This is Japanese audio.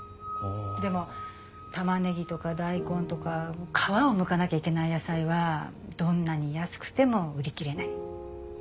でもたまねぎとか大根とか皮をむかなきゃいけない野菜はどんなに安くても売り切れない。